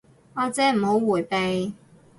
阿姐唔好迴避